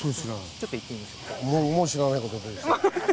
ちょっと行ってみましょう。